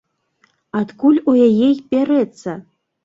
Адкуль у яе й бярэцца?